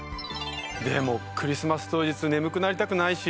でもクリスマス当日眠くなりたくないし。